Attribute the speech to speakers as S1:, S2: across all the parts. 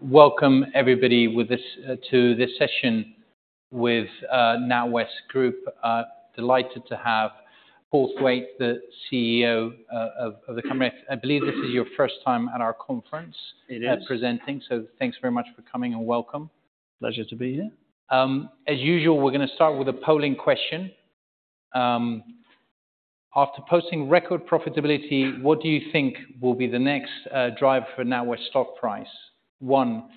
S1: Welcome, everybody, to this session with NatWest Group. Delighted to have Paul Thwaite, the CEO of the company. I believe this is your first time at our conference.
S2: It is.
S1: Presenting, so thanks very much for coming and welcome.
S2: Pleasure to be here.
S1: As usual, we're going to start with a polling question. After posting record profitability, what do you think will be the next drive for NatWest stock price? One,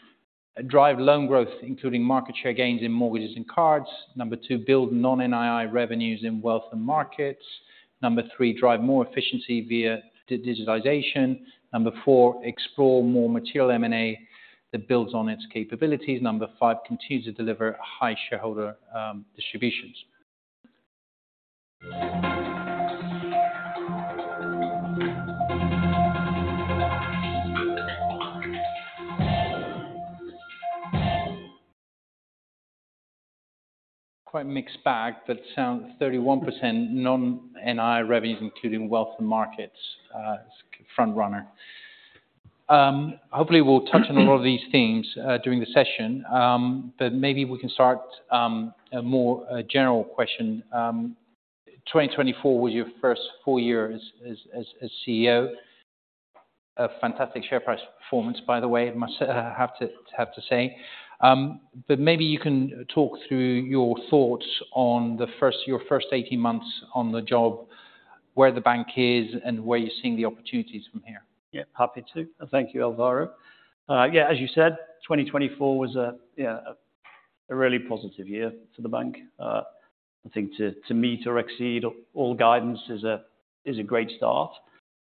S1: drive loan growth, including market share gains in mortgages and cards. Two, build non-NII revenues in wealth and markets. Three, drive more efficiency via digitization. Four, explore more material M&A that builds on its capabilities. Five, continue to deliver high shareholder distributions. Quite mixed bag, but it sounds 31% non-NII revenues, including wealth and markets, front-runner. Hopefully, we'll touch on a lot of these themes during the session, but maybe we can start a more general question. 2024 was your first full year as CEO. Fantastic share price performance, by the way, must have to say. Maybe you can talk through your thoughts on your first 18 months on the job, where the bank is, and where you're seeing the opportunities from here.
S2: Yeah, happy to. Thank you, Alvaro. Yeah, as you said, 2024 was a really positive year for the bank. I think to meet or exceed all guidance is a great start.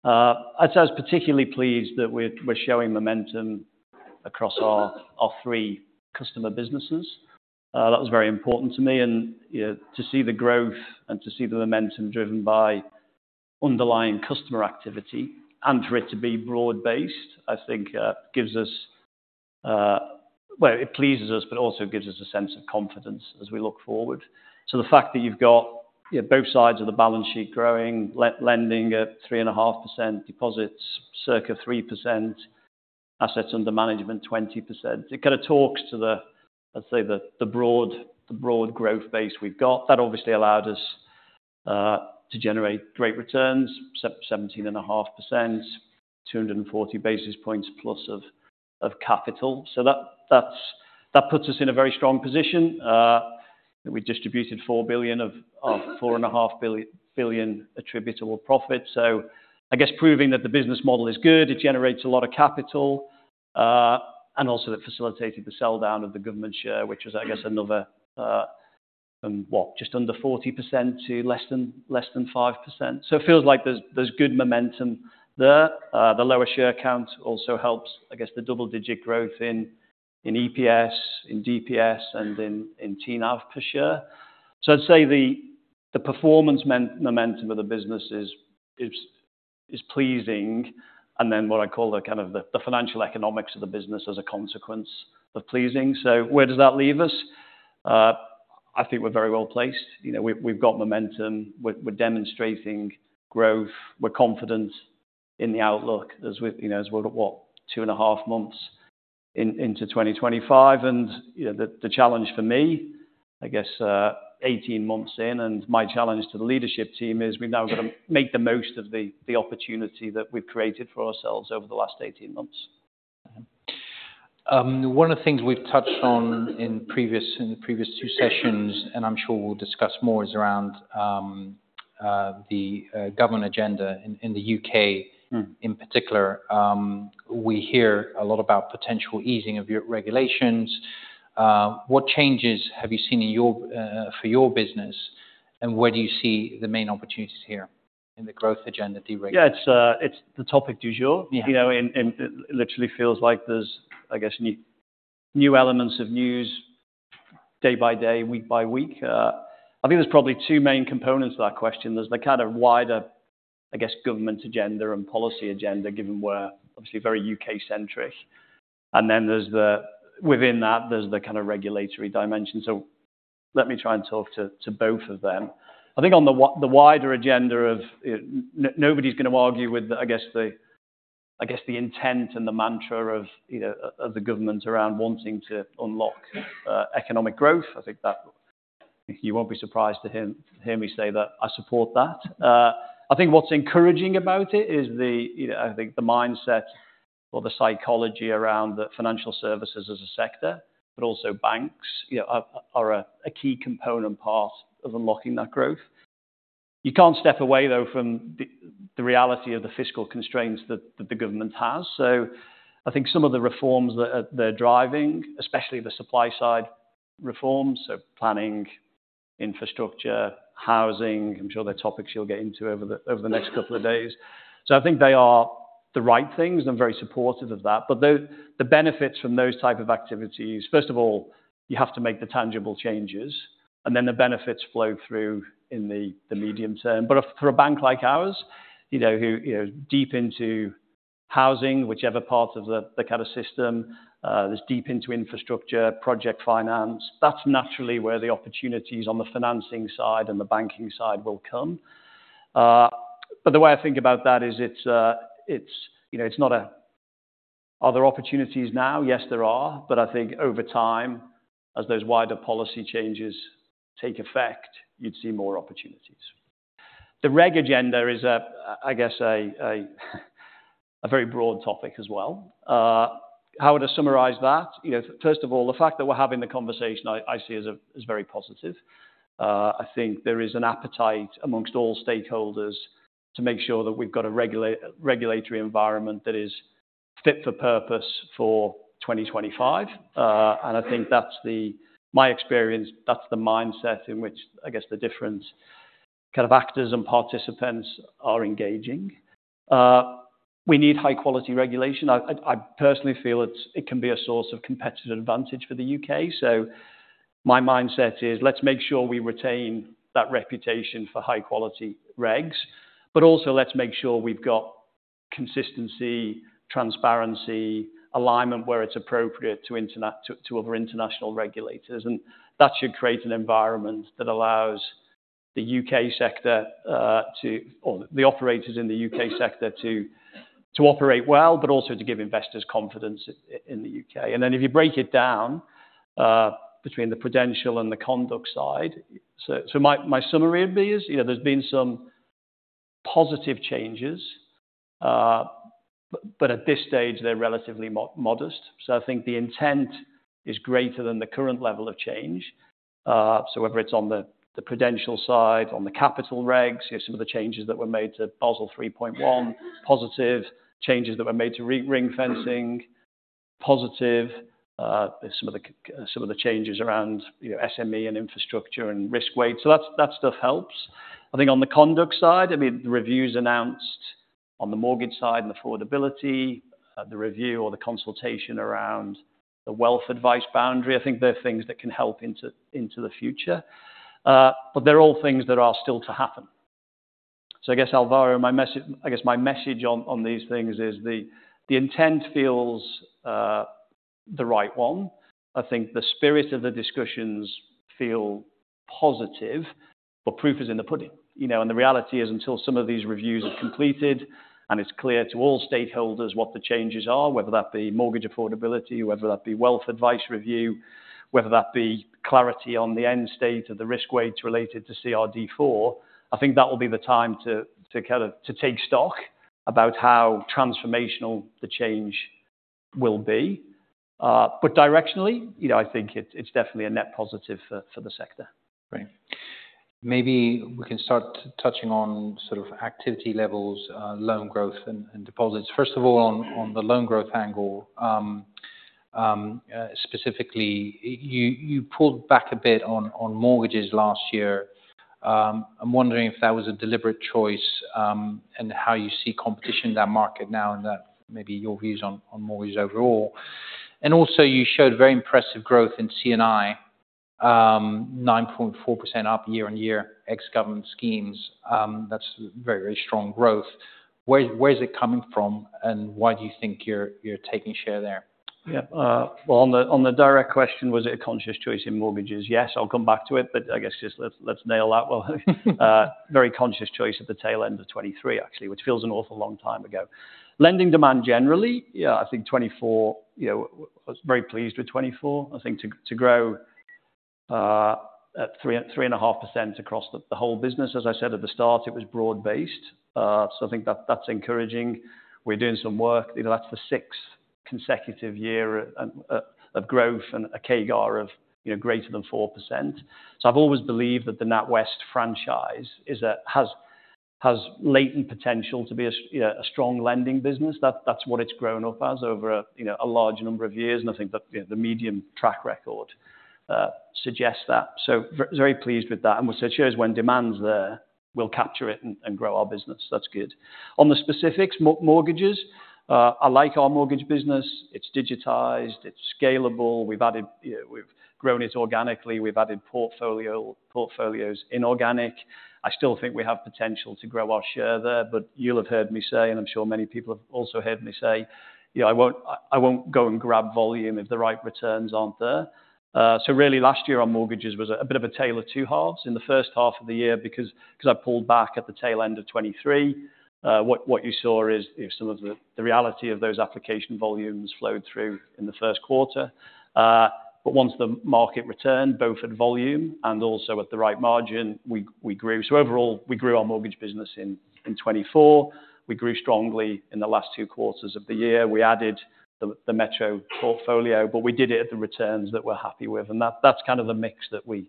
S2: I was particularly pleased that we're showing momentum across our three customer businesses. That was very important to me. To see the growth and to see the momentum driven by underlying customer activity and for it to be broad-based, I think gives us, well, it pleases us, but also gives us a sense of confidence as we look forward. The fact that you've got both sides of the balance sheet growing, lending at 3.5%, deposits circa 3%, assets under management 20%, it kind of talks to the, let's say, the broad growth base we've got. That obviously allowed us to generate great returns, 17.5%, 240 basis points plus of capital. That puts us in a very strong position. We distributed 4 billion of 4.5 billion attributable profit. I guess proving that the business model is good, it generates a lot of capital, and also it facilitated the sell down of the government share, which was, I guess, another from just under 40% to less than 5%. It feels like there's good momentum there. The lower share count also helps, I guess, the double-digit growth in EPS, in DPS, and in TNAV per share. I'd say the performance momentum of the business is pleasing. What I call the kind of the financial economics of the business as a consequence is pleasing. Where does that leave us? I think we're very well placed. We've got momentum. We're demonstrating growth. We're confident in the outlook as we're at, what, two and a half months into 2025. The challenge for me, I guess, 18 months in, and my challenge to the leadership team is we've now got to make the most of the opportunity that we've created for ourselves over the last 18 months.
S1: One of the things we've touched on in the previous two sessions, and I'm sure we'll discuss more, is around the government agenda in the U.K. in particular. We hear a lot about potential easing of regulations. What changes have you seen for your business, and where do you see the main opportunities here in the growth agenda deregulation?
S2: Yeah, it's the topic du jour. It literally feels like there's, I guess, new elements of news day by day, week by week. I think there's probably two main components to that question. There's the kind of wider, I guess, government agenda and policy agenda, given we're obviously very U.K.-centric. Within that, there's the kind of regulatory dimension. Let me try and talk to both of them. I think on the wider agenda, nobody's going to argue with, I guess, the intent and the mantra of the government around wanting to unlock economic growth. I think you won't be surprised to hear me say that I support that. I think what's encouraging about it is the, I think, the mindset or the psychology around the financial services as a sector, but also banks are a key component part of unlocking that growth. You can't step away, though, from the reality of the fiscal constraints that the government has. I think some of the reforms that they're driving, especially the supply side reforms, planning, infrastructure, housing, I'm sure they're topics you'll get into over the next couple of days. I think they are the right things, and I'm very supportive of that. The benefits from those types of activities, first of all, you have to make the tangible changes, and then the benefits flow through in the medium term. For a bank like ours, deep into housing, whichever part of the kind of system, there's deep into infrastructure, project finance, that's naturally where the opportunities on the financing side and the banking side will come. The way I think about that is it's not a, are there opportunities now? Yes, there are. I think over time, as those wider policy changes take effect, you'd see more opportunities. The reg agenda is, I guess, a very broad topic as well. How would I summarize that? First of all, the fact that we're having the conversation, I see as very positive. I think there is an appetite amongst all stakeholders to make sure that we've got a regulatory environment that is fit for purpose for 2025. I think that's my experience, that's the mindset in which, I guess, the different kind of actors and participants are engaging. We need high-quality regulation. I personally feel it can be a source of competitive advantage for the U.K. My mindset is let's make sure we retain that reputation for high-quality regs, but also let's make sure we've got consistency, transparency, alignment where it's appropriate to other international regulators. That should create an environment that allows the U.K. sector, or the operators in the U.K. sector, to operate well, but also to give investors confidence in the U.K. If you break it down between the prudential and the conduct side, my summary would be there's been some positive changes, but at this stage, they're relatively modest. I think the intent is greater than the current level of change. Whether it's on the prudential side, on the capital regs, some of the changes that were made to Basel 3.1, positive changes that were made to ring fencing, positive some of the changes around SME and infrastructure and risk weight. That stuff helps. I think on the conduct side, I mean, the reviews announced on the mortgage side and affordability, the review or the consultation around the wealth advice boundary, I think they're things that can help into the future. They're all things that are still to happen. I guess, Alvaro, I guess my message on these things is the intent feels the right one. I think the spirit of the discussions feel positive, but proof is in the pudding. The reality is until some of these reviews are completed and it's clear to all stakeholders what the changes are, whether that be mortgage affordability, whether that be wealth advice review, whether that be clarity on the end state of the risk weights related to CRD IV, I think that will be the time to kind of take stock about how transformational the change will be. I think it's definitely a net positive for the sector.
S1: Great. Maybe we can start touching on sort of activity levels, loan growth, and deposits. First of all, on the loan growth angle, specifically, you pulled back a bit on mortgages last year. I'm wondering if that was a deliberate choice and how you see competition in that market now and maybe your views on mortgages overall. You showed very impressive growth in C&I, 9.4% up year on year ex-government schemes. That's very, very strong growth. Where is it coming from, and why do you think you're taking share there?
S2: Yeah. On the direct question, was it a conscious choice in mortgages? Yes, I'll come back to it, but I guess just let's nail that one. Very conscious choice at the tail end of 2023, actually, which feels an awful long time ago. Lending demand generally, yeah, I think 2024, I was very pleased with 2024. I think to grow at 3.5% across the whole business, as I said at the start, it was broad-based. I think that's encouraging. We're doing some work. That's the sixth consecutive year of growth and a CAGR of greater than 4%. I've always believed that the NatWest franchise has latent potential to be a strong lending business. That's what it's grown up as over a large number of years. I think the medium track record suggests that. Very pleased with that. What it shows when demand's there, we'll capture it and grow our business. That's good. On the specifics, mortgages, I like our mortgage business. It's digitized. It's scalable. We've grown it organically. We've added portfolios inorganic. I still think we have potential to grow our share there, but you'll have heard me say, and I'm sure many people have also heard me say, I won't go and grab volume if the right returns aren't there. Really, last year on mortgages was a bit of a tale of two halves in the first half of the year because I pulled back at the tail end of 2023. What you saw is some of the reality of those application volumes flowed through in the first quarter. Once the market returned, both at volume and also at the right margin, we grew. Overall, we grew our mortgage business in 2024. We grew strongly in the last two quarters of the year. We added the Metro Bank portfolio, but we did it at the returns that we're happy with. That's kind of the mix that we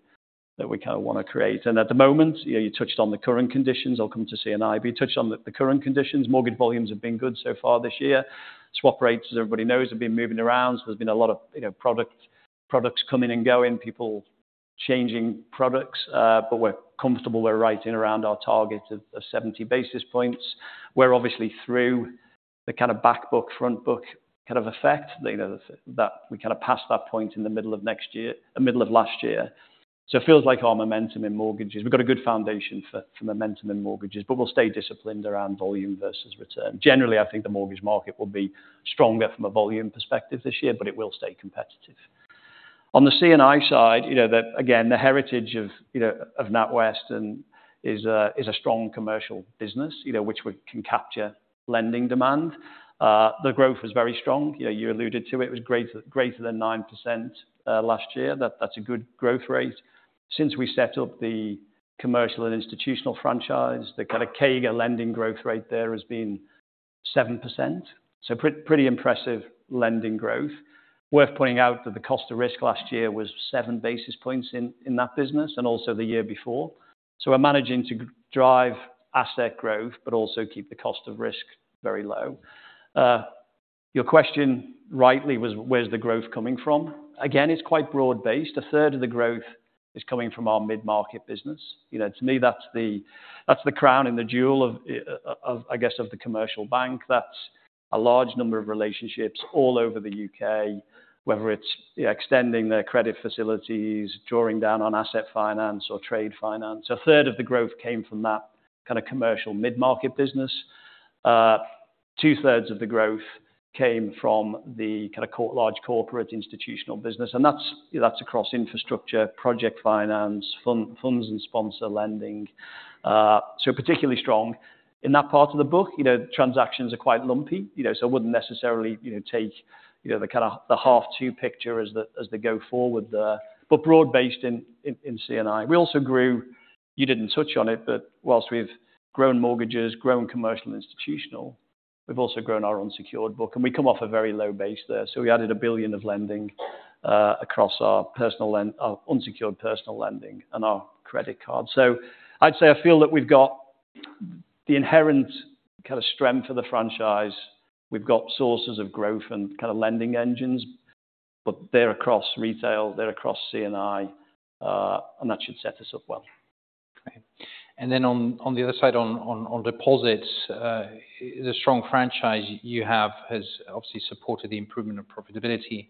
S2: kind of want to create. At the moment, you touched on the current conditions. I'll come to C&IB. You touched on the current conditions. Mortgage volumes have been good so far this year. Swap rates, as everybody knows, have been moving around. There's been a lot of products coming and going, people changing products, but we're comfortable. We're writing around our target of 70 basis points. We're obviously through the kind of backbook, frontbook kind of effect that we kind of passed that point in the middle of last year. It feels like our momentum in mortgages. We've got a good foundation for momentum in mortgages, but we'll stay disciplined around volume versus return. Generally, I think the mortgage market will be stronger from a volume perspective this year, but it will stay competitive. On the C&I side, again, the heritage of NatWest is a strong commercial business, which can capture lending demand. The growth was very strong. You alluded to it. It was greater than 9% last year. That's a good growth rate. Since we set up the commercial and institutional franchise, the kind of CAGR lending growth rate there has been 7%. Pretty impressive lending growth. Worth pointing out that the cost of risk last year was 7 basis points in that business and also the year before. We're managing to drive asset growth, but also keep the cost of risk very low. Your question rightly was, where's the growth coming from? Again, it's quite broad-based. A third of the growth is coming from our mid-market business. To me, that's the crown and the jewel, I guess, of the commercial bank. That's a large number of relationships all over the U.K., whether it's extending their credit facilities, drawing down on asset finance or trade finance. A third of the growth came from that kind of commercial mid-market business. Two-thirds of the growth came from the kind of large corporate institutional business. That is across infrastructure, project finance, funds and sponsor lending. Particularly strong. In that part of the book, transactions are quite lumpy, so I wouldn't necessarily take the kind of half-to picture as the go-forward there, but broad-based in CNI. We also grew, you didn't touch on it, but whilst we've grown mortgages, grown commercial and institutional, we've also grown our unsecured book. We come off a very low base there. We added 1 billion of lending across our unsecured personal lending and our credit card. I'd say I feel that we've got the inherent kind of strength of the franchise. We've got sources of growth and kind of lending engines, but they're across retail, they're across CNI, and that should set us up well.
S1: On the other side, on deposits, the strong franchise you have has obviously supported the improvement of profitability.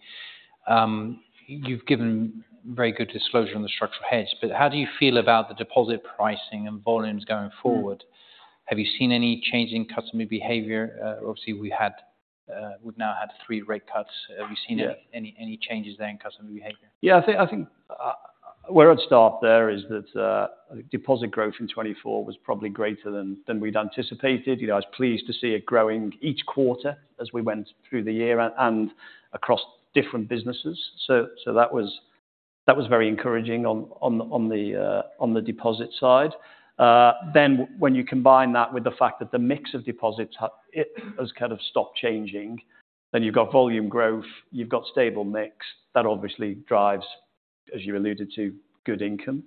S1: You've given very good disclosure on the structural hedge. How do you feel about the deposit pricing and volumes going forward? Have you seen any change in customer behavior? Obviously, we now had three rate cuts. Have you seen any changes there in customer behavior?
S2: Yeah, I think where I'd start there is that deposit growth in 2024 was probably greater than we'd anticipated. I was pleased to see it growing each quarter as we went through the year and across different businesses. That was very encouraging on the deposit side. When you combine that with the fact that the mix of deposits has kind of stopped changing, you've got volume growth, you've got stable mix. That obviously drives, as you alluded to, good income.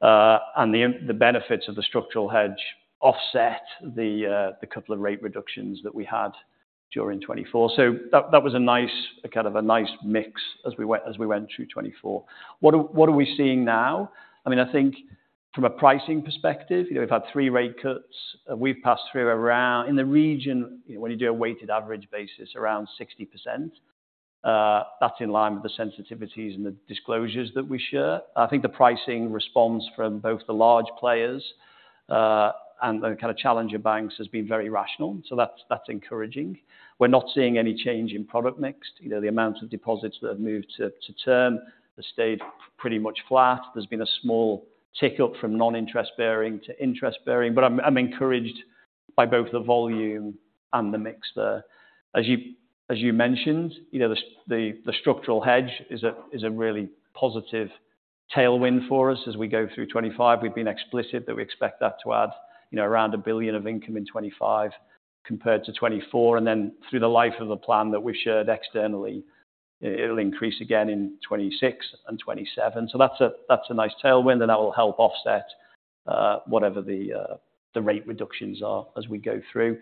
S2: The benefits of the structural hedge offset the couple of rate reductions that we had during 2024. That was kind of a nice mix as we went through 2024. What are we seeing now? I mean, I think from a pricing perspective, we've had three rate cuts. We've passed through around, in the region, when you do a weighted average basis, around 60%. That's in line with the sensitivities and the disclosures that we share. I think the pricing response from both the large players and the kind of challenger banks has been very rational. That is encouraging. We're not seeing any change in product mix. The amounts of deposits that have moved to term have stayed pretty much flat. There's been a small tick up from non-interest bearing to interest bearing, but I'm encouraged by both the volume and the mix there. As you mentioned, the structural hedge is a really positive tailwind for us as we go through 2025. We've been explicit that we expect that to add around 1 billion of income in 2025 compared to 2024. Through the life of the plan that we've shared externally, it will increase again in 2026 and 2027. That's a nice tailwind, and that will help offset whatever the rate reductions are as we go through.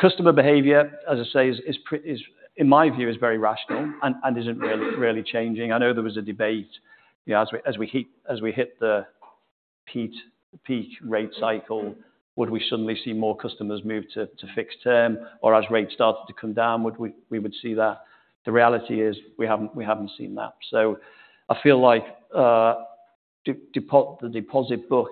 S2: Customer behavior, as I say, in my view, is very rational and isn't really changing. I know there was a debate as we hit the peak rate cycle, would we suddenly see more customers move to fixed term, or as rates started to come down, we would see that. The reality is we haven't seen that. I feel like the deposit book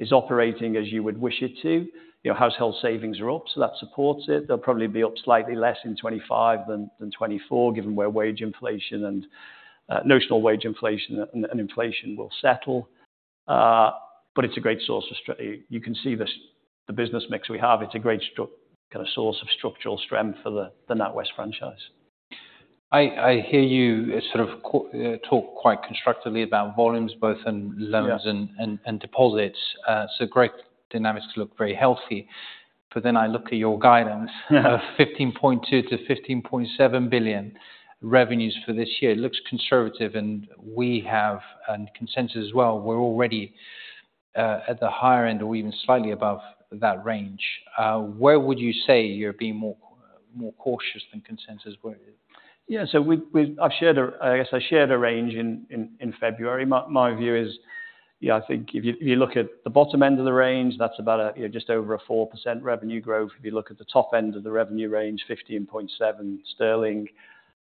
S2: is operating as you would wish it to. Household savings are up, so that supports it. They'll probably be up slightly less in 2025 than 2024, given where wage inflation and notional wage inflation and inflation will settle. It's a great source of strength. You can see the business mix we have. It's a great kind of source of structural strength for the NatWest franchise.
S1: I hear you sort of talk quite constructively about volumes, both in loans and deposits. Great dynamics look very healthy. Then I look at your guidance of 15.2 billion-15.7 billion revenues for this year. It looks conservative, and we have a consensus as well. We are already at the higher end or even slightly above that range. Where would you say you are being more cautious than consensus?
S2: Yeah, so I shared, I guess I shared a range in February. My view is, yeah, I think if you look at the bottom end of the range, that's about just over a 4% revenue growth. If you look at the top end of the revenue range, 15.7 billion sterling,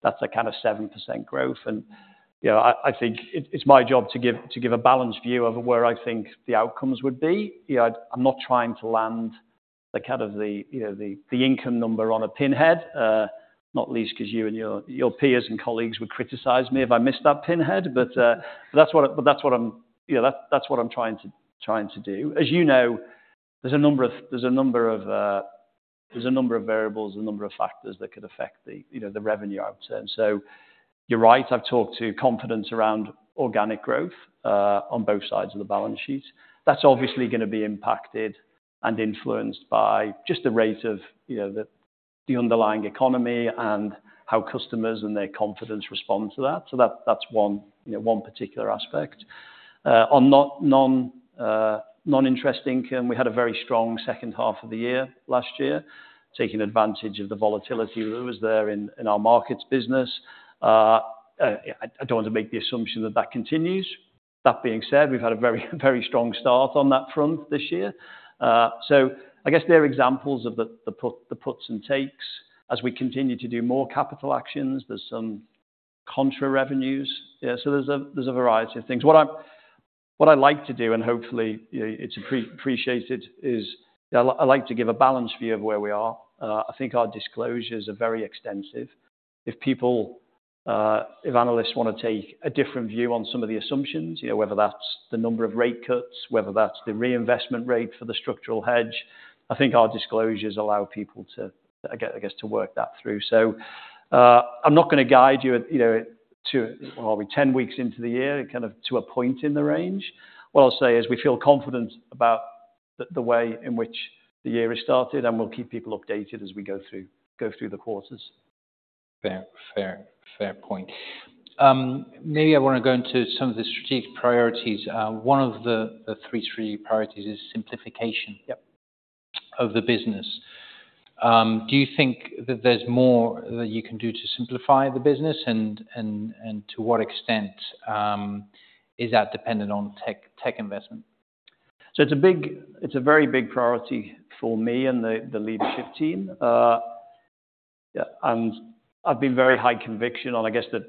S2: that's a kind of 7% growth. I think it's my job to give a balanced view of where I think the outcomes would be. I'm not trying to land the kind of the income number on a pinhead, not least because you and your peers and colleagues would criticize me if I missed that pinhead. That's what I'm trying to do. As you know, there's a number of variables, a number of factors that could affect the revenue, I would say. You're right. I've talked to confidence around organic growth on both sides of the balance sheet. That's obviously going to be impacted and influenced by just the rate of the underlying economy and how customers and their confidence respond to that. That is one particular aspect. On non-interest income, we had a very strong second half of the year last year, taking advantage of the volatility that was there in our markets business. I do not want to make the assumption that that continues. That being said, we have had a very strong start on that front this year. I guess there are examples of the puts and takes. As we continue to do more capital actions, there are some contra revenues. There is a variety of things. What I like to do, and hopefully it is appreciated, is I like to give a balanced view of where we are. I think our disclosures are very extensive. If analysts want to take a different view on some of the assumptions, whether that's the number of rate cuts, whether that's the reinvestment rate for the structural hedge, I think our disclosures allow people to, I guess, to work that through. I am not going to guide you to, are we 10 weeks into the year, kind of to a point in the range. What I'll say is we feel confident about the way in which the year has started, and we'll keep people updated as we go through the quarters.
S1: Fair point. Maybe I want to go into some of the strategic priorities. One of the three strategic priorities is simplification of the business. Do you think that there's more that you can do to simplify the business, and to what extent is that dependent on tech investment?
S2: It is a very big priority for me and the leadership team. I have been very high conviction on, I guess, that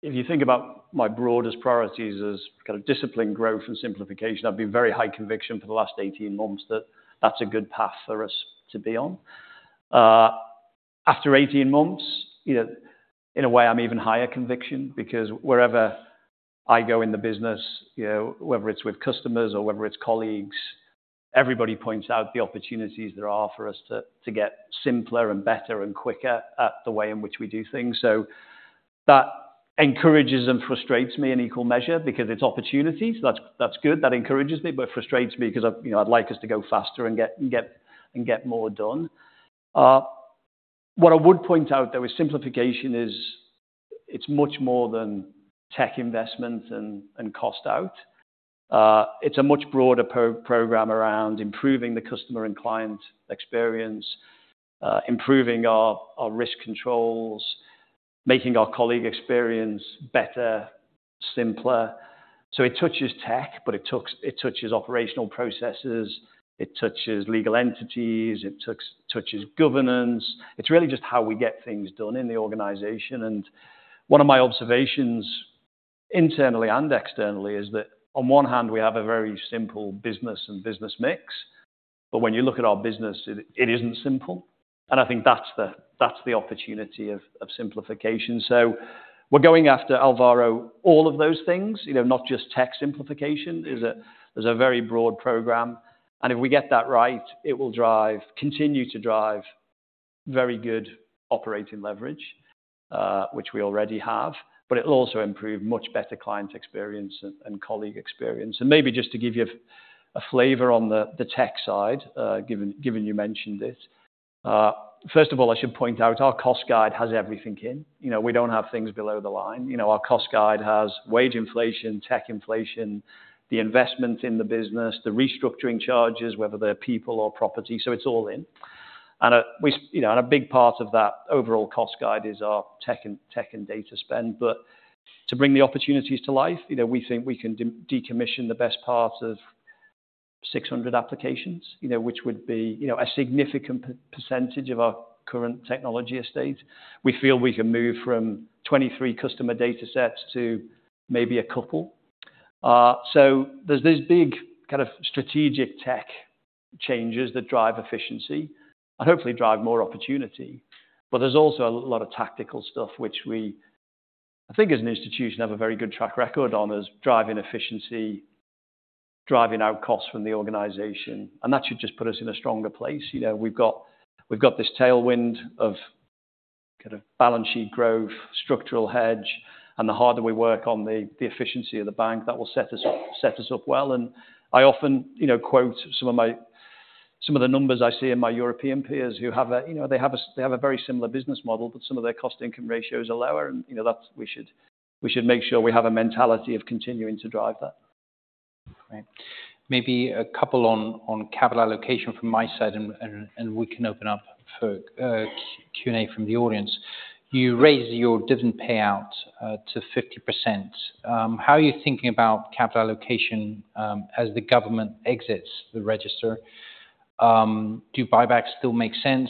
S2: if you think about my broadest priorities as kind of discipline, growth, and simplification, I have been very high conviction for the last 18 months that that is a good path for us to be on. After 18 months, in a way, I am even higher conviction because wherever I go in the business, whether it is with customers or whether it is colleagues, everybody points out the opportunities there are for us to get simpler and better and quicker at the way in which we do things. That encourages and frustrates me in equal measure because it is opportunities. That is good. That encourages me, but it frustrates me because I would like us to go faster and get more done. What I would point out, though, is simplification is much more than tech investments and cost out. It is a much broader program around improving the customer and client experience, improving our risk controls, making our colleague experience better, simpler. It touches tech, but it touches operational processes. It touches legal entities. It touches governance. It is really just how we get things done in the organization. One of my observations internally and externally is that on one hand, we have a very simple business and business mix. When you look at our business, it is not simple. I think that is the opportunity of simplification. We are going after Alvaro, all of those things, not just tech simplification. There is a very broad program. If we get that right, it will continue to drive very good operating leverage, which we already have, but it will also improve much better client experience and colleague experience. Maybe just to give you a flavor on the tech side, given you mentioned it, first of all, I should point out our cost guide has everything in. We do not have things below the line. Our cost guide has wage inflation, tech inflation, the investment in the business, the restructuring charges, whether they are people or property. It is all in. A big part of that overall cost guide is our tech and data spend. To bring the opportunities to life, we think we can decommission the best part of 600 applications, which would be a significant percentage of our current technology estate. We feel we can move from 23 customer data sets to maybe a couple. There are these big kind of strategic tech changes that drive efficiency and hopefully drive more opportunity. There is also a lot of tactical stuff, which we, I think as an institution, have a very good track record on as driving efficiency, driving out costs from the organization. That should just put us in a stronger place. We have this tailwind of kind of balance sheet growth, structural hedge, and the harder we work on the efficiency of the bank, that will set us up well. I often quote some of the numbers I see in my European peers who have a very similar business model, but some of their cost income ratios are lower. We should make sure we have a mentality of continuing to drive that.
S1: Maybe a couple on capital allocation from my side, and we can open up for Q&A from the audience. You raised your dividend payout to 50%. How are you thinking about capital allocation as the government exits the register? Do buybacks still make sense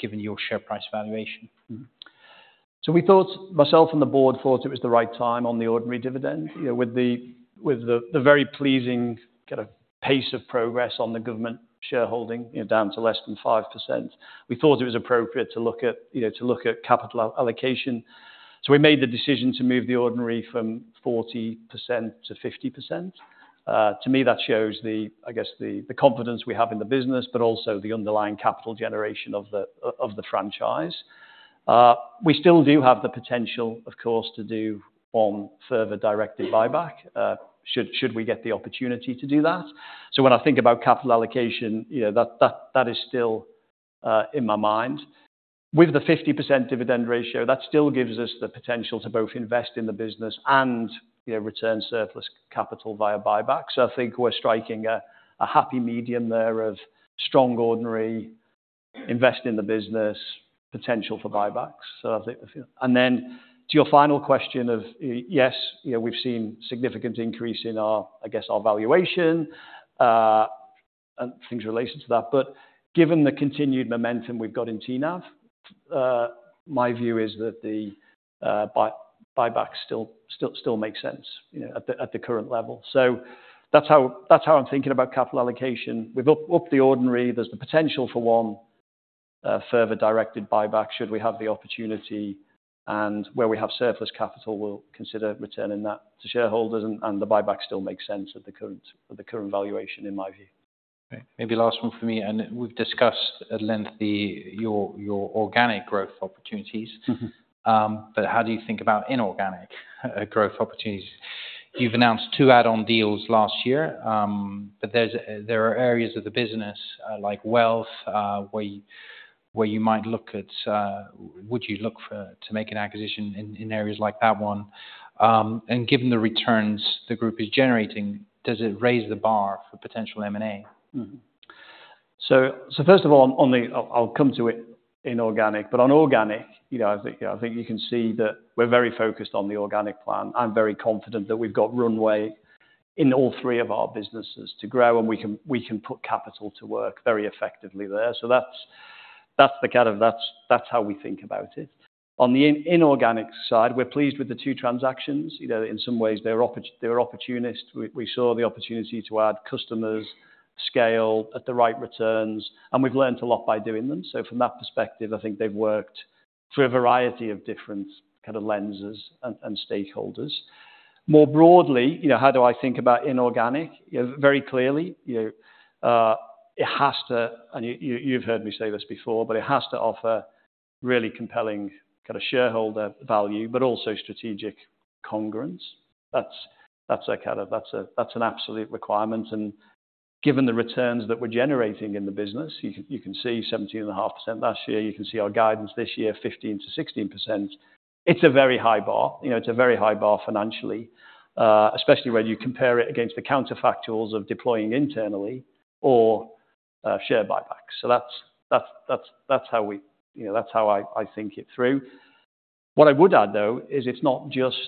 S1: given your share price valuation?
S2: Myself and the Board thought it was the right time on the ordinary dividend with the very pleasing kind of pace of progress on the government shareholding down to less than 5%. We thought it was appropriate to look at capital allocation. We made the decision to move the ordinary from 40%-50%. To me, that shows, I guess, the confidence we have in the business, but also the underlying capital generation of the franchise. We still do have the potential, of course, to do on further directed buyback should we get the opportunity to do that. When I think about capital allocation, that is still in my mind. With the 50% dividend ratio, that still gives us the potential to both invest in the business and return surplus capital via buyback. I think we're striking a happy medium there of strong ordinary, invest in the business, potential for buybacks. To your final question of, yes, we've seen significant increase in, I guess, our valuation and things related to that. Given the continued momentum we've got in TNAV, my view is that the buyback still makes sense at the current level. That's how I'm thinking about capital allocation. We've upped the ordinary. There's the potential for one further directed buyback should we have the opportunity. Where we have surplus capital, we'll consider returning that to shareholders. The buyback still makes sense at the current valuation, in my view.
S1: Maybe last one for me. We've discussed at length your organic growth opportunities. How do you think about inorganic growth opportunities? You've announced two add-on deals last year. There are areas of the business, like wealth, where you might look at, would you look to make an acquisition in areas like that one? Given the returns the group is generating, does it raise the bar for potential M&A?
S2: First of all, I'll come to it in organic. On organic, I think you can see that we're very focused on the organic plan. I'm very confident that we've got runway in all three of our businesses to grow, and we can put capital to work very effectively there. That's how we think about it. On the inorganic side, we're pleased with the two transactions. In some ways, they're opportunist. We saw the opportunity to add customers, scale at the right returns. We've learned a lot by doing them. From that perspective, I think they've worked through a variety of different lenses and stakeholders. More broadly, how do I think about inorganic? Very clearly, it has to, and you've heard me say this before, but it has to offer really compelling shareholder value, but also strategic congruence. That's an absolute requirement. Given the returns that we're generating in the business, you can see 17.5% last year. You can see our guidance this year, 15%-16%. It's a very high bar. It's a very high bar financially, especially when you compare it against the counterfactuals of deploying internally or share buybacks. That's how I think it through. What I would add, though, is it's not just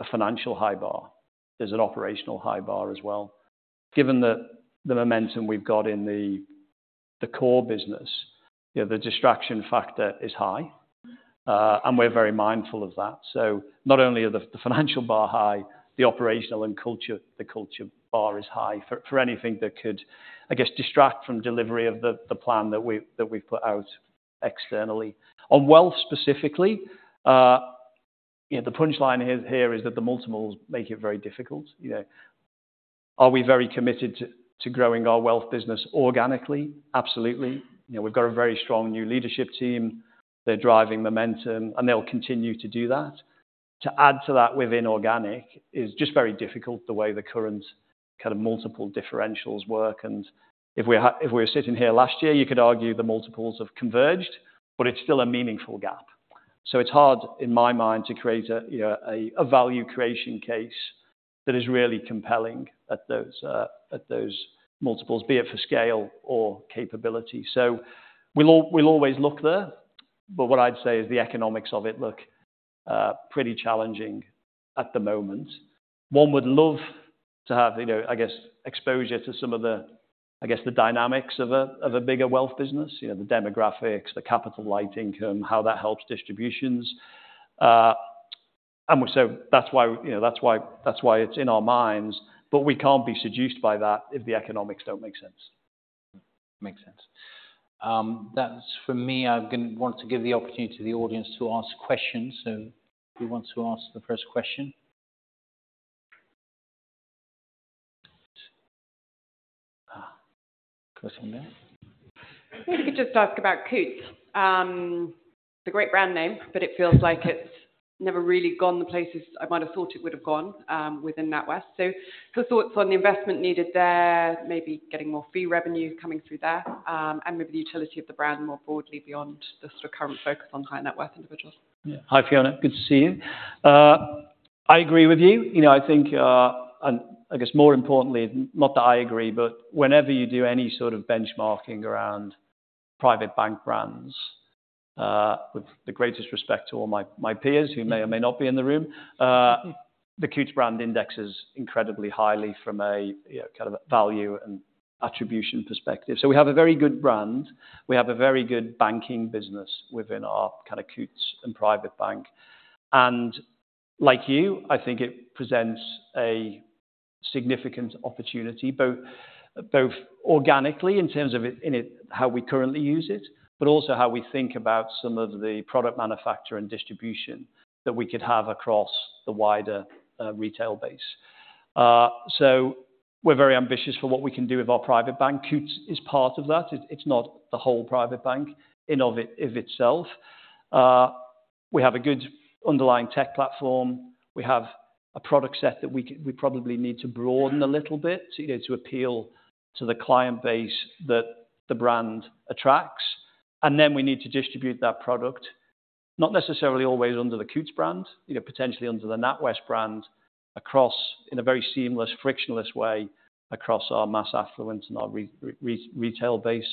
S2: a financial high bar. There's an operational high bar as well. Given the momentum we've got in the core business, the distraction factor is high. We're very mindful of that. Not only are the financial bar high, the operational and culture bar is high for anything that could, I guess, distract from delivery of the plan that we've put out externally. On wealth specifically, the punchline here is that the multimodals make it very difficult. Are we very committed to growing our wealth business organically? Absolutely. We've got a very strong new leadership team. They're driving momentum, and they'll continue to do that. To add to that within organic is just very difficult the way the current kind of multiple differentials work. If we were sitting here last year, you could argue the multiples have converged, but it's still a meaningful gap. It is hard, in my mind, to create a value creation case that is really compelling at those multiples, be it for scale or capability. We will always look there. What I'd say is the economics of it look pretty challenging at the moment. One would love to have, I guess, exposure to some of the, I guess, the dynamics of a bigger wealth business, the demographics, the capital light income, how that helps distributions. That's why it's in our minds. We can't be seduced by that if the economics don't make sense.
S1: Makes sense. That's for me. I want to give the opportunity to the audience to ask questions. Who wants to ask the first question? Could you just ask about Coutts? It's a great brand name, but it feels like it's never really gone the places I might have thought it would have gone within NatWest. So her thoughts on the investment needed there, maybe getting more fee revenue coming through there, and maybe the utility of the brand more broadly beyond the sort of current focus on high net worth individuals.
S2: Hi, Fiona. Good to see you. I agree with you. I think, and I guess more importantly, not that I agree, but whenever you do any sort of benchmarking around private bank brands, with the greatest respect to all my peers who may or may not be in the room, the Coutts brand indexes incredibly highly from a kind of value and attribution perspective. We have a very good brand. We have a very good banking business within our kind of Coutts and private bank. Like you, I think it presents a significant opportunity, both organically in terms of how we currently use it, but also how we think about some of the product manufacture and distribution that we could have across the wider retail base. We are very ambitious for what we can do with our private bank. Coutts is part of that. It's not the whole private bank in of itself. We have a good underlying tech platform. We have a product set that we probably need to broaden a little bit to appeal to the client base that the brand attracts. We need to distribute that product, not necessarily always under the Coutts brand, potentially under the NatWest brand in a very seamless, frictionless way across our mass affluent and our retail base.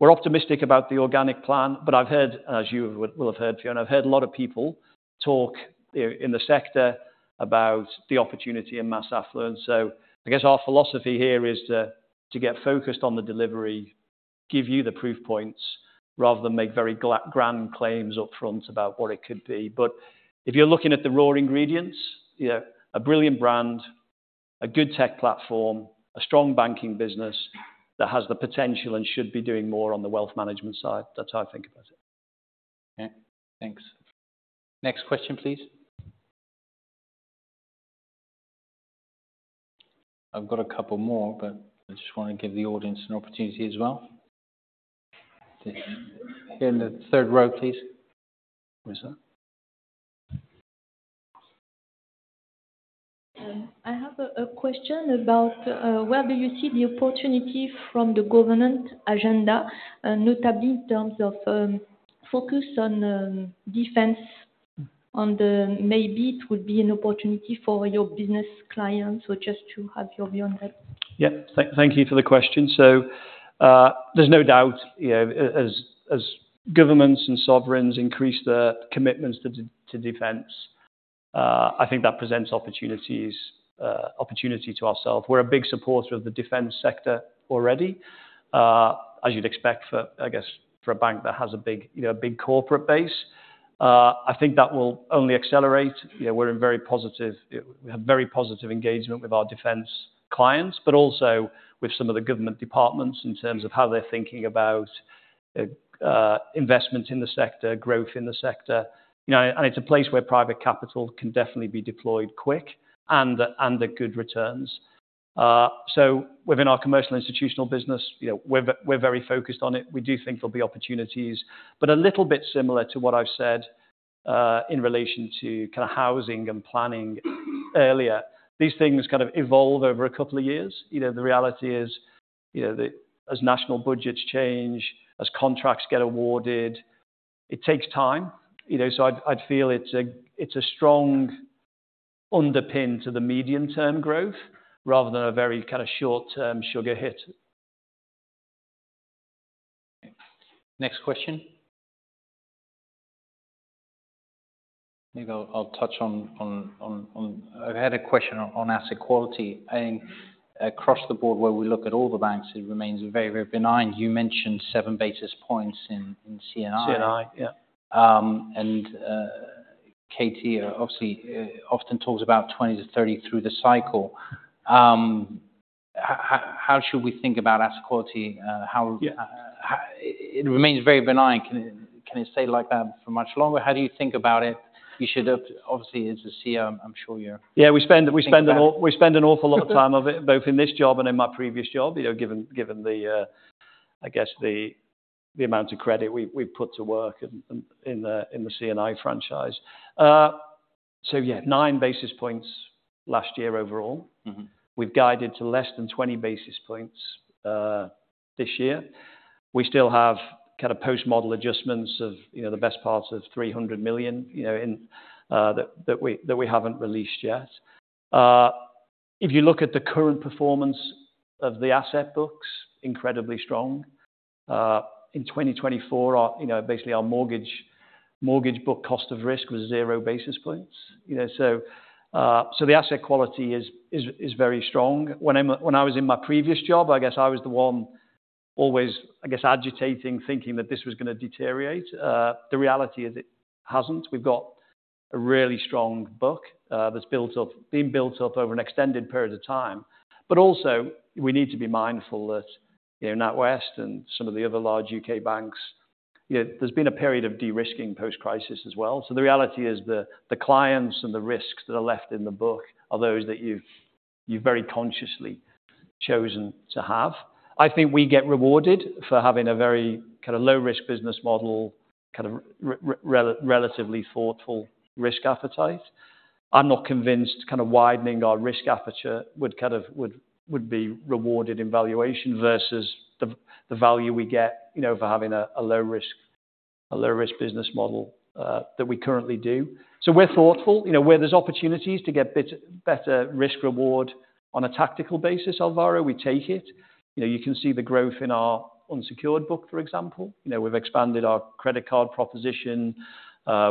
S2: We are optimistic about the organic plan. I have heard, as you will have heard, Fiona, I have heard a lot of people talk in the sector about the opportunity in mass affluent. I guess our philosophy here is to get focused on the delivery, give you the proof points, rather than make very grand claims upfront about what it could be. If you're looking at the raw ingredients, a brilliant brand, a good tech platform, a strong banking business that has the potential and should be doing more on the wealth management side, that's how I think about it.
S1: Thanks. Next question, please. I've got a couple more, but I just want to give the audience an opportunity as well. Here in the third row, please. I have a question about where do you see the opportunity from the government agenda, notably in terms of focus on defense? Maybe it would be an opportunity for your business clients or just to have your view on that.
S2: Yeah. Thank you for the question. There's no doubt as governments and sovereigns increase their commitments to defense, I think that presents opportunity to ourselves. We're a big supporter of the defense sector already, as you'd expect, I guess, for a bank that has a big corporate base. I think that will only accelerate. We're in very positive engagement with our defense clients, but also with some of the government departments in terms of how they're thinking about investment in the sector, growth in the sector. It's a place where private capital can definitely be deployed quick and at good returns. Within our commercial institutional business, we're very focused on it. We do think there'll be opportunities. A little bit similar to what I've said in relation to kind of housing and planning earlier, these things kind of evolve over a couple of years. The reality is that as national budgets change, as contracts get awarded, it takes time. I'd feel it's a strong underpin to the medium-term growth rather than a very kind of short-term sugar hit.
S1: Next question. I'll touch on I've had a question on asset quality. I think across the board, where we look at all the banks, it remains very, very benign. You mentioned seven basis points in CNI. And Katie obviously often talks about 20-30 through the cycle. How should we think about asset quality? It remains very benign. Can it stay like that for much longer? How do you think about it? You should, obviously, as a CEO, I'm sure you're.
S2: Yeah. We spend an awful lot of time on it, both in this job and in my previous job, given the, I guess, the amount of credit we've put to work in the CNI franchise. So yeah, nine basis points last year overall. We've guided to less than 20 basis points this year. We still have kind of post-model adjustments of the best parts of 300 million that we haven't released yet. If you look at the current performance of the asset books, incredibly strong. In 2024, basically our mortgage book cost of risk was zero basis points. The asset quality is very strong. When I was in my previous job, I guess I was the one always, I guess, agitating, thinking that this was going to deteriorate. The reality is it hasn't. We've got a really strong book that's being built up over an extended period of time. Also, we need to be mindful that NatWest and some of the other large U.K. banks, there's been a period of de-risking post-crisis as well. The reality is the clients and the risks that are left in the book are those that you've very consciously chosen to have. I think we get rewarded for having a very kind of low-risk business model, kind of relatively thoughtful risk appetite. I'm not convinced kind of widening our risk aperture would kind of be rewarded in valuation versus the value we get for having a low-risk business model that we currently do. We are thoughtful. Where there's opportunities to get better risk-reward on a tactical basis, Alvaro, we take it. You can see the growth in our unsecured book, for example. We've expanded our credit card proposition.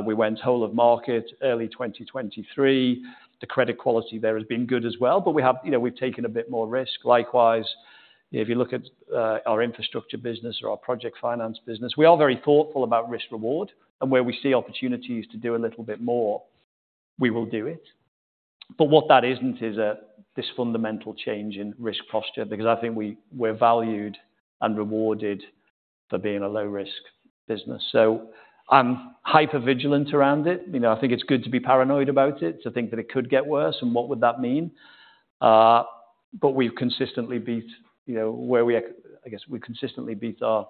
S2: We went whole of market early 2023. The credit quality there has been good as well. We've taken a bit more risk. Likewise, if you look at our infrastructure business or our project finance business, we are very thoughtful about risk-reward. Where we see opportunities to do a little bit more, we will do it. What that isn't is this fundamental change in risk posture, because I think we're valued and rewarded for being a low-risk business. I am hyper-vigilant around it. I think it's good to be paranoid about it, to think that it could get worse and what would that mean. We've consistently beat where we, I guess, we've consistently beat our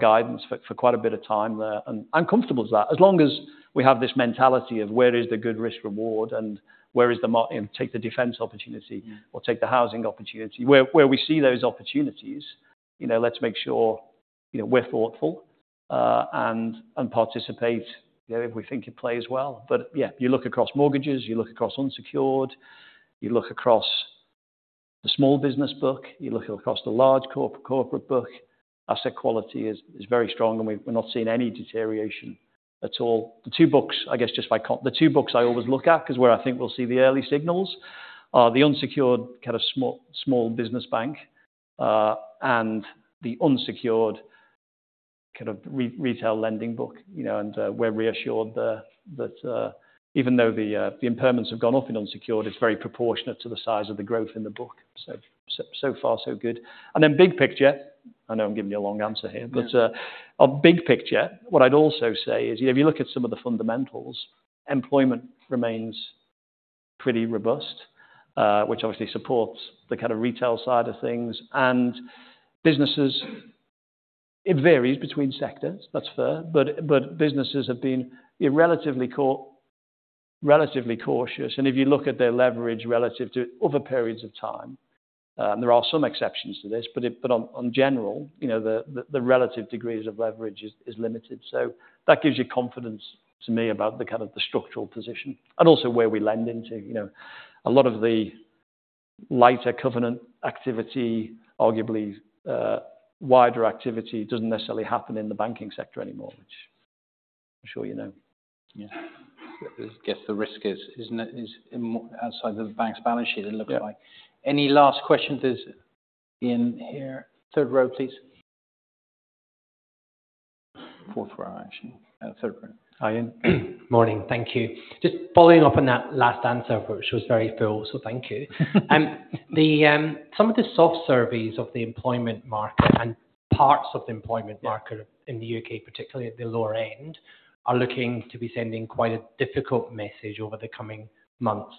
S2: guidance for quite a bit of time there. I'm comfortable with that. As long as we have this mentality of where is the good risk-reward and where is the take the defense opportunity or take the housing opportunity. Where we see those opportunities, let's make sure we're thoughtful and participate if we think it plays well. Yeah, you look across mortgages, you look across unsecured, you look across the small business book, you look across the large corporate book, asset quality is very strong and we're not seeing any deterioration at all. The two books, I guess, just by the two books I always look at because where I think we'll see the early signals are the unsecured kind of small business bank and the unsecured kind of retail lending book. We're reassured that even though the impairments have gone off in unsecured, it's very proportionate to the size of the growth in the book. So far, so good. Big picture, I know I'm giving you a long answer here, but big picture, what I'd also say is if you look at some of the fundamentals, employment remains pretty robust, which obviously supports the kind of retail side of things. Businesses, it varies between sectors, that's fair. Businesses have been relatively cautious. If you look at their leverage relative to other periods of time, there are some exceptions to this. In general, the relative degrees of leverage is limited. That gives you confidence to me about the kind of the structural position and also where we lend into. A lot of the lighter covenant activity, arguably wider activity, does not necessarily happen in the banking sector anymore, which I'm sure you know.
S1: Yeah. I guess the risk is outside the bank's balance sheet, it looks like. Any last questions? There's Ian here. Third row, please. Fourth row, actually. Third row. Hi, Ian. Morning. Thank you. Just following up on that last answer, which was very full, so thank you. Some of the soft surveys of the employment market and parts of the employment market in the U.K., particularly at the lower end, are looking to be sending quite a difficult message over the coming months.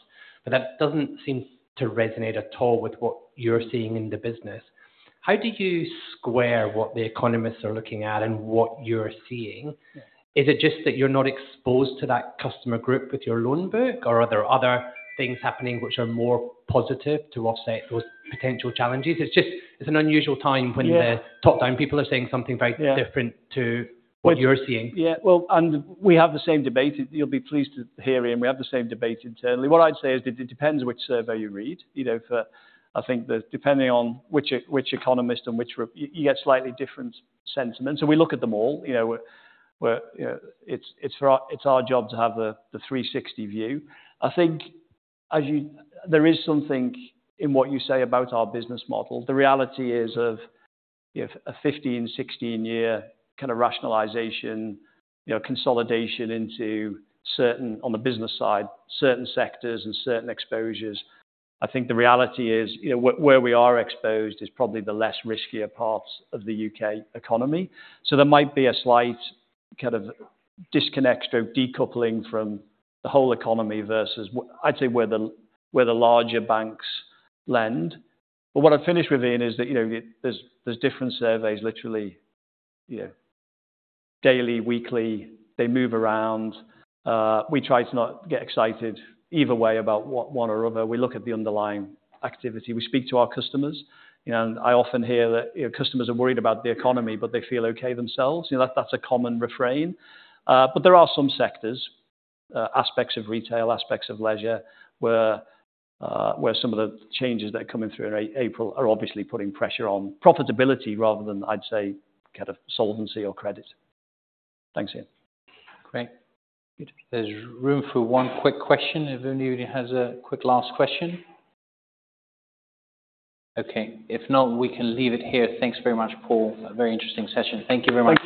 S1: That does not seem to resonate at all with what you are seeing in the business. How do you square what the economists are looking at and what you are seeing? Is it just that you are not exposed to that customer group with your loan book, or are there other things happening which are more positive to offset those potential challenges? It is just, it is an unusual time when the top-down people are saying something very different to what you are seeing.
S2: Yeah. We have the same debate. You'll be pleased to hear, Ian. We have the same debate internally. What I'd say is that it depends which survey you read. I think that depending on which economist and which group, you get slightly different sentiments. We look at them all. It's our job to have the 360 view. I think there is something in what you say about our business model. The reality is of a 15-16 year kind of rationalization, consolidation into certain, on the business side, certain sectors and certain exposures. I think the reality is where we are exposed is probably the less riskier parts of the U.K. economy. There might be a slight kind of disconnect, decoupling from the whole economy versus, I'd say, where the larger banks lend. What I'd finish with, Ian, is that there's different surveys, literally daily, weekly. They move around. We try to not get excited either way about one or other. We look at the underlying activity. We speak to our customers. I often hear that customers are worried about the economy, but they feel okay themselves. That's a common refrain. There are some sectors, aspects of retail, aspects of leisure, where some of the changes that are coming through in April are obviously putting pressure on profitability rather than, I'd say, kind of solvency or credit. Thanks, Ian.
S1: Great. There is room for one quick question if anybody has a quick last question. Okay. If not, we can leave it here. Thanks very much, Paul. Very interesting session. Thank you very much.